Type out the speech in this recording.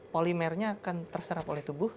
polimernya akan terserap oleh tubuh